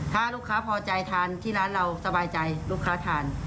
ถ้าลูกค้าพอใจทานที่ร้านเราสบายใจลูกค้าทาน